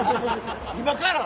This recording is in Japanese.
今から？